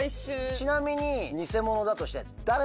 ちなみに偽者だとして。